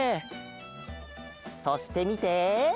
そしてみて。